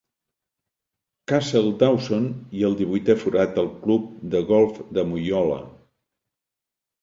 Castledawson i el divuitè forat al club de golf de Moyola.